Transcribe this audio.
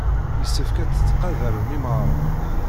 Yessefk ad tettqadarem imɣaren.